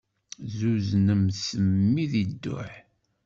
Zuznemt mmi di dduḥ.